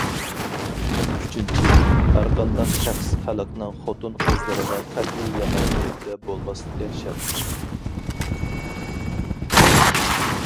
ئۈچىنچى، ھەرقانداق شەخس خەلقنىڭ خوتۇن- قىزلىرىغا قەتئىي يامان نىيەتتە بولماسلىقى شەرت.